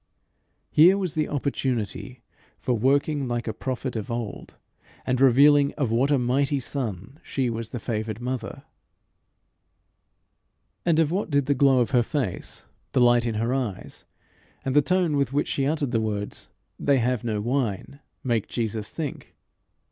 Here was the opportunity for working like a prophet of old, and revealing of what a mighty son she was the favoured mother. And of what did the glow of her face, the light in her eyes, and the tone with which she uttered the words, "They have no wine," make Jesus think?